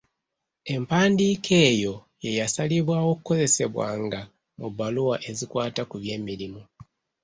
Empandiika eyo ye yasalibwawo okukozesebwanga mu bbaluwa ezikwata ku byemirimu